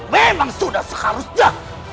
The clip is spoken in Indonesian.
memang sudah seharusnya